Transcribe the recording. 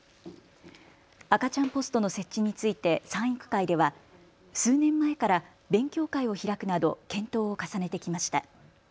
赤ちゃんポストの設置について賛育会では数年前から勉強会を開くなど検討を重ねてきました。